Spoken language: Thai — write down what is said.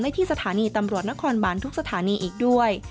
ที่สถานีตำรวจนครบานทุกสถานีอีกด้วย